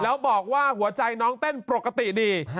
แล้วบอกว่าหัวใจน้องเต้นปกติดี